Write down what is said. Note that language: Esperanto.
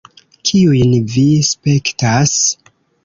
Kiujn vi spektas?